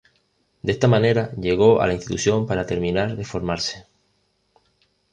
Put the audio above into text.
De esta manera llegó a la institución para terminar de formarse.